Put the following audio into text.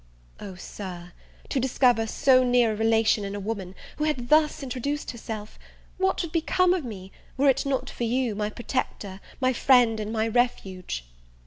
O, Sir, to discover so near a relation in a woman, who had thus introduced herself! what would become of me, were it not for you, my protector, my friend, and my refuge?